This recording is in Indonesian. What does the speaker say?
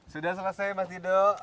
sudah selesai mas dido